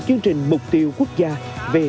chương trình mục tiêu quốc gia về